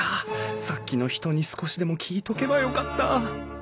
さっきの人に少しでも聞いとけばよかった